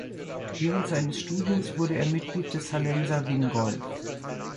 Während seines Studiums wurde er Mitglied des Hallenser Wingolf.